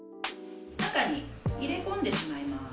中に入れ込んでしまいます。